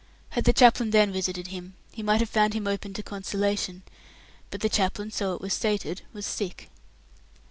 Had the chaplain then visited him, he might have found him open to consolation, but the chaplain so it was stated was sick.